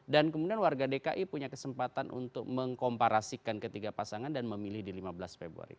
dan kemudian warga dki punya kesempatan untuk mengkomparasikan ketiga pasangan dan memilih di lima belas februari